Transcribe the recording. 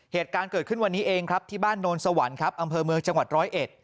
เหตุการณ์เกิดขึ้นวันนี้เองครับที่บ้านโนนสวรรค์ครับอำเภอเมืองจังหวัดร้อยเอ็ด